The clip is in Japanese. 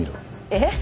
えっ？